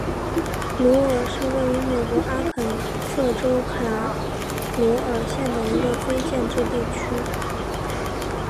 鲁尔是位于美国阿肯色州卡罗尔县的一个非建制地区。